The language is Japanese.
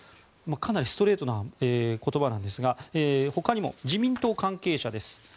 かなりストレートな言葉なんですがほかにも自民党関係者です。